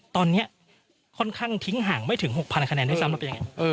ตอนนี้ค่อนข้างทิ้งห่างไม่ถึง๖๐๐คะแนนด้วยซ้ำแล้วเป็นยังไง